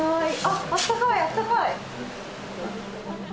あったかい、あったかい。